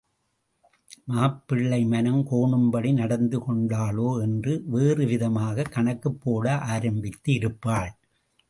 மாப்பிள்ளை மனம் கோணும்படி நடந்து கொண்டாளோ என்று வேறுவிதமாகக் கணக்குப் போட ஆரம்பித்து இருப்பாள்.